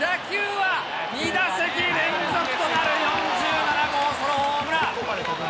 ２打席連続となる４７号ソロホームラン。